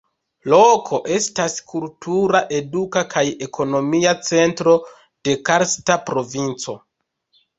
Loko estas kultura, eduka kaj ekonomia centro de Karsta provinco.